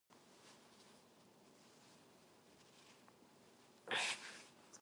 He likes to be the man and the master.